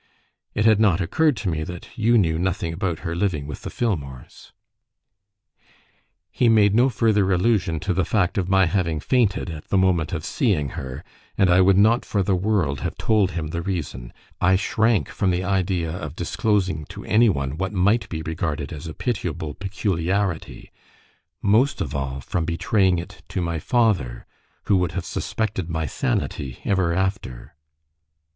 It had not occurred to me that you knew nothing about her living with the Filmores." He made no further allusion to the fact of my having fainted at the moment of seeing her, and I would not for the world have told him the reason: I shrank from the idea of disclosing to any one what might be regarded as a pitiable peculiarity, most of all from betraying it to my father, who would have suspected my sanity ever after.